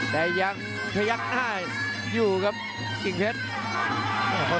แต่ยังพยักหน้าอยู่ครับกิ่งเพชร